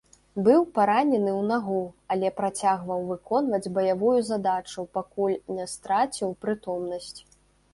Быў паранены ў нагу, але працягваў выконваць баявую задачу, пакуль не страціў прытомнасць.